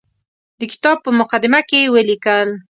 د کتاب په مقدمه کې یې ولیکل.